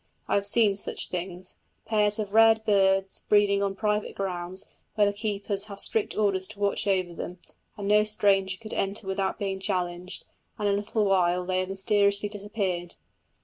I have seen such things pairs of rare birds breeding in private grounds, where the keepers had strict orders to watch over them, and no stranger could enter without being challenged, and in a little while they have mysteriously disappeared.